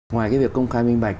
ngoài cái việc công khai minh bạch